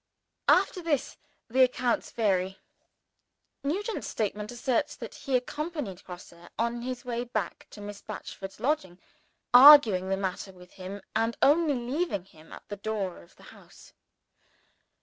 After this, the accounts vary. Nugent's statement asserts that he accompanied Grosse on his way back to Miss Batchford's lodging, arguing the matter with him, and only leaving him at the door of the house.